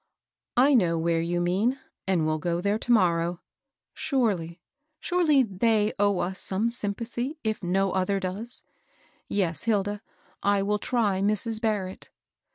"I know where you mean, and will go there to morrow. Surely, surely they owe us some sym pathy, if no other does I Yes, Hilda, I will try Mrs. Barrett."